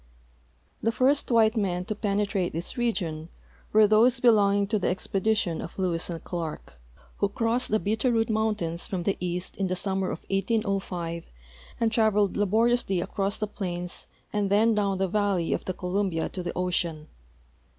The first white men to penetrate this region were those he longing to the expedition of Lewis and Clarke, who crossed the 396 THE SAGE PLAINS OF OREGON Bitterroot mountains from the east in the summer of 1805 and traveled laboriously across the plains and then down the valley of the Columbia to the ocean.